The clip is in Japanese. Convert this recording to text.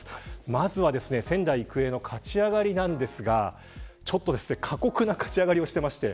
まずは仙台育英の勝ち上がりなんですが過酷な勝ち上がりをしていまして。